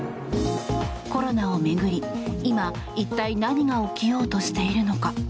コロナを巡り、今一体何が起きようとしているのか。